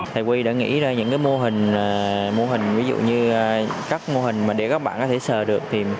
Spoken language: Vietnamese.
thầy quy đã nghĩ ra những mô hình ví dụ như các mô hình để các bạn có thể sờ được